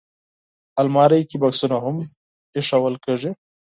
الماري کې بکسونه هم ایښودل کېږي